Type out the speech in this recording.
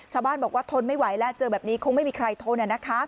ชาวบ้านบอกว่าทนไม่ไหวแล้วเจอแบบนี้คงไม่มีใครทน